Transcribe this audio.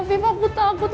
afif aku takut